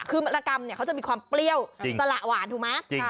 คือระกำเขาจะมีความเปรี้ยวตลาดหวานถูกไหม